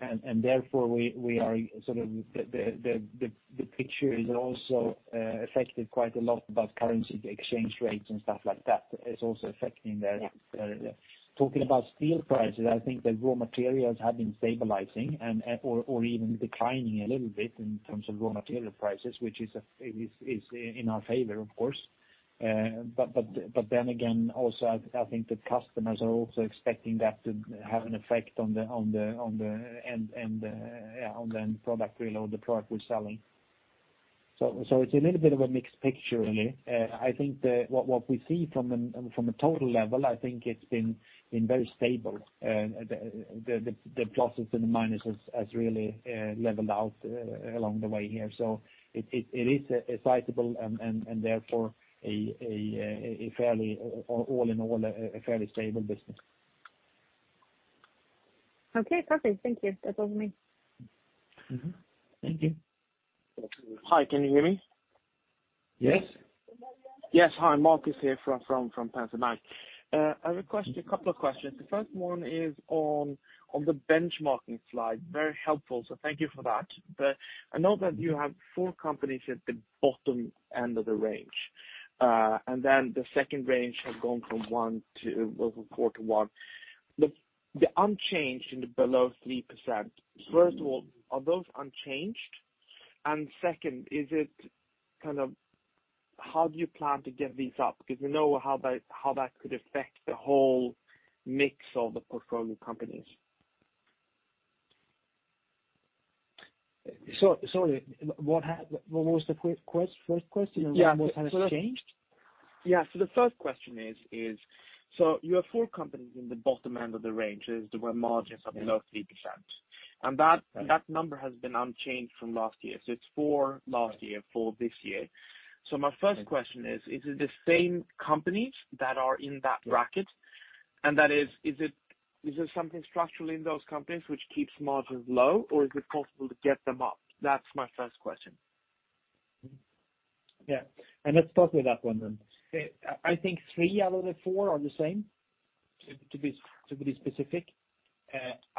U.K. Therefore we are sort of the picture is also affected quite a lot about currency exchange rates and stuff like that. It's also affecting their. Yeah. Their Talking about steel prices, I think the raw materials have been stabilizing or even declining a little bit in terms of raw material prices, which is in our favor of course. but then again also I think the customers are also expecting that to have an effect on the end product really or the product we're selling. It's a little bit of a mixed picture really. I think What we see from a total level, it's been very stable. The pluses and the minuses has really leveled out along the way here. It is excitable and therefore a fairly or all in all a fairly stable business. Okay, perfect. Thank you. That's all for me. Mm-hmm. Thank you. Hi, can you hear me? Yes. Yes. Hi, Marcus here from Pareto. I have a question, a couple of questions. The first one is on the benchmarking slide. Very helpful, so thank you for that. I know that you have four companies at the bottom end of the range. And then the second range has gone from one to... Well, from four to one. The unchanged and the below 3%, first of all, are those unchanged? Second, is it kind of how do you plan to get these up? Because you know how that could affect the whole mix of the portfolio companies. sorry, what was the first question? Yeah. What has changed? Yeah. The first question is, you have four companies in the bottom end of the range. Those were margins of below 3%. Yeah. And that- Right. That number has been unchanged from last year. It's four last year, four this year. Yeah. My first question is it the same companies that are in that bracket? Yeah. That is there something structural in those companies which keeps margins low, or is it possible to get them up? That's my first question. Yeah. Let's start with that one then. I think three out of the four are the same. To be specific.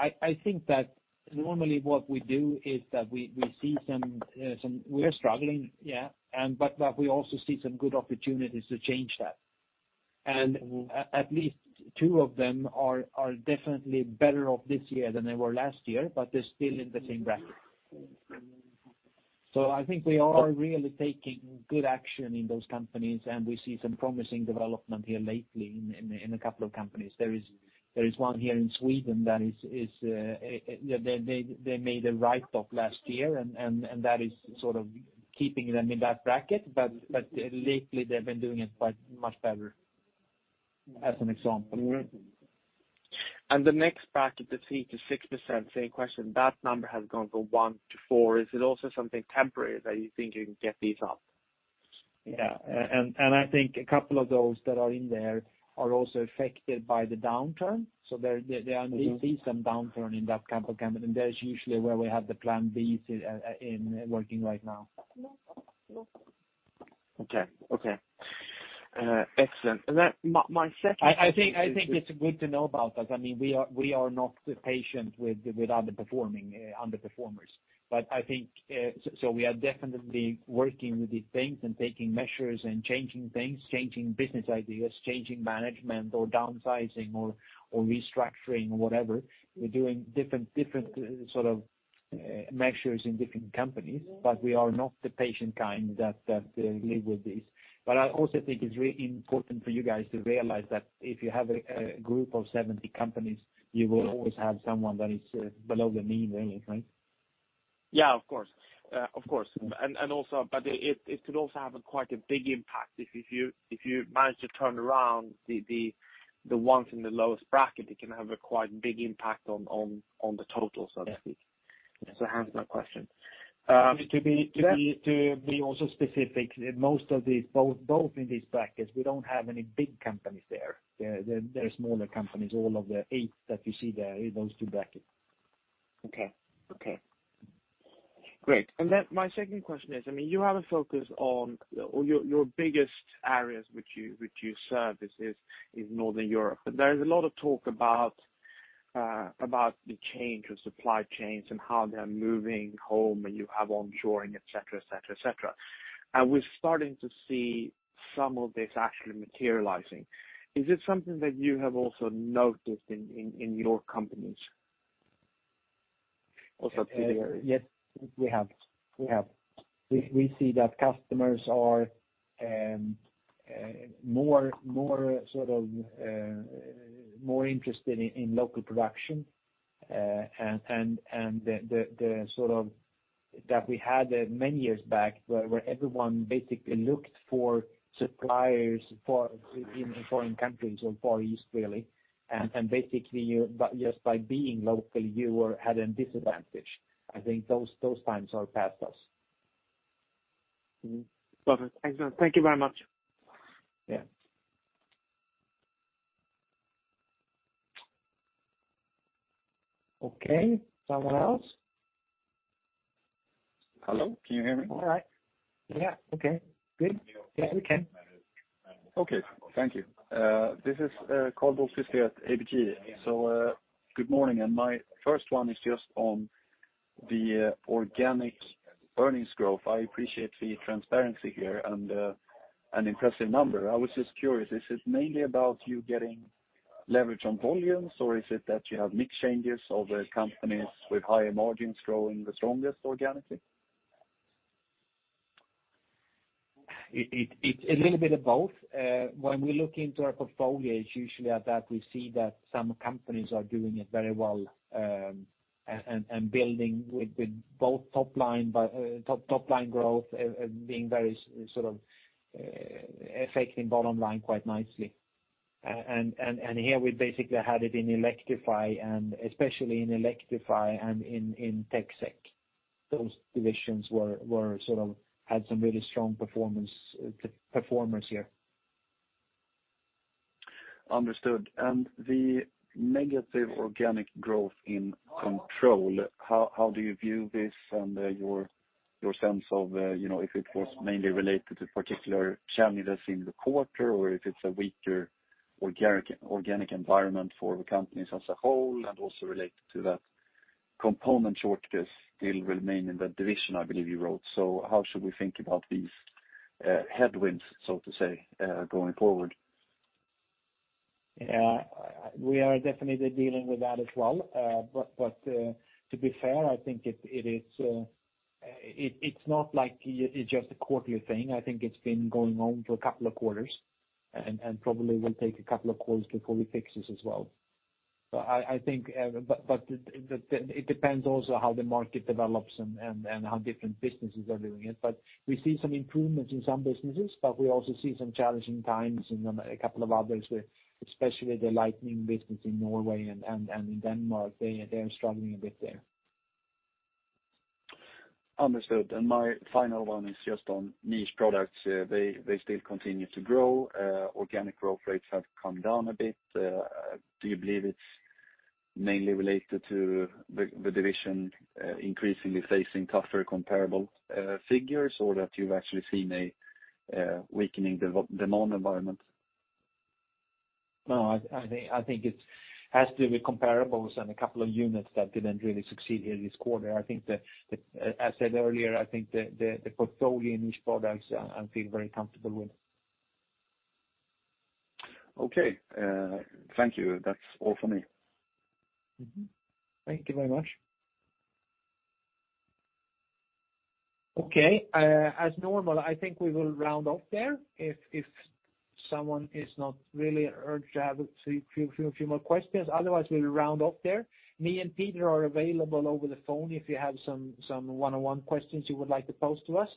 I think that normally what we do is that we see some. We are struggling, yeah, but we also see some good opportunities to change that. At least two of them are definitely better off this year than they were last year, but they're still in the same bracket. I think we are really taking good action in those companies, and we see some promising development here lately in a couple of companies. There is one here in Sweden that is, they made a write-off last year and that is sort of keeping them in that bracket. Lately they've been doing it quite much better, as an example. Mm-hmm. The next bracket, the 3%-6%, same question. That number has gone from one to four. Is it also something temporary that you think you can get these up? Yeah. And I think a couple of those that are in there are also affected by the downturn. There are. Mm-hmm. we see some downturn in that type of company, and that is usually where we have the plan B, in working right now. Okay, okay. excellent. My, my second question is? I think it's good to know about that. I mean, we are not patient with underperforming underperformers. I think. We are definitely working with these things and taking measures and changing things, changing business ideas, changing management or downsizing or restructuring or whatever. We're doing different sort of measures in different companies. We are not the patient kind that live with this. I also think it's really important for you guys to realize that if you have a group of 70 companies, you will always have someone that is below the mean earnings, right? Yeah, of course. Of course. Also. It could also have a quite a big impact if you manage to turn around the ones in the lowest bracket, it can have a quite big impact on the total, so to speak. Yeah. hence my question. To be- Yeah... to be also specific, most of these, both in these brackets, we don't have any big companies there. They're smaller companies, all of the eight that you see there in those two brackets. Okay. Okay. Great. My second question is, I mean, you have a focus on... Or your biggest areas which you service is Northern Europe. There is a lot of talk about the change of supply chains and how they are moving home, and you have onshoring, et cetera, et cetera, et cetera. Are we starting to see some of this actually materializing? Is it something that you have also noticed in your companies? Also in this area. Yes, we have. We see that customers are more sort of more interested in local production. That we had many years back where everyone basically looked for suppliers in foreign countries or Far East, really. Basically, just by being local, you were at a disadvantage. I think those times are past us. Mm-hmm. Perfect. Excellent. Thank you very much. Okay. Someone else? Hello? Can you hear me? All right. Yeah. Okay, good. Yes, we can. Okay. Thank you. This is Karl Bokvist at ABG. Good morning. My first one is just on the organic earnings growth. I appreciate the transparency here and an impressive number. I was just curious, is it mainly about you getting leverage on volumes, or is it that you have mix changes over companies with higher margins growing the strongest organically? It's a little bit of both. When we look into our portfolio, it's usually at that we see that some companies are doing it very well, and building with both top-line growth, being very sort of affecting bottom line quite nicely. Here we basically had it in Electrify and especially in Electrify and in TecSec. Those divisions were sort of had some really strong performance performers here. Understood. The negative organic growth in Control, how do you view this and your sense of, you know, if it was mainly related to particular challenges in the quarter or if it's a weaker organic environment for the companies as a whole, and also related to that component shortages still remain in that division, I believe you wrote? How should we think about these headwinds, so to say, going forward? Yeah. We are definitely dealing with that as well. but, to be fair, I think it is. It, it's not like it's just a quarterly thing. I think it's been going on for a couple of quarters and probably will take a couple of quarters before we fix this as well. I think, but it depends also how the market develops and, and how different businesses are doing it. we see some improvements in some businesses, but we also see some challenging times in a couple of others, especially the lightning business in Norway and, and in Denmark. They, they are struggling a bit there. Understood. My final one is just on Niche Products. They still continue to grow. Organic growth rates have come down a bit. Do you believe it's mainly related to the division, increasingly facing tougher comparable figures or that you've actually seen a weakening demand environment? No, I think it has to be comparables and a couple of units that didn't really succeed here this quarter. As said earlier, I think the portfolio in Niche Products I feel very comfortable with. Thank you. That's all for me. Thank you very much. Okay. As normal, I think we will round off there. If someone is not really urged to have a few more questions, otherwise we'll round off there. Me and Peter are available over the phone if you have some one-on-one questions you would like to pose to us.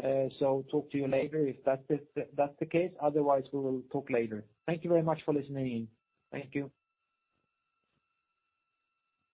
Talk to you later if that's the case. Otherwise, we will talk later. Thank you very much for listening in. Thank you.